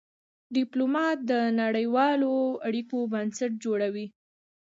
ډيپلومات د نړېوالو اړیکو بنسټ جوړوي.